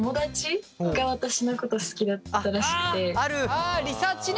あリサーチね。